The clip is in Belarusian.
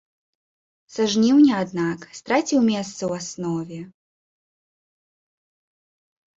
Са жніўня, аднак, страціў месца ў аснове.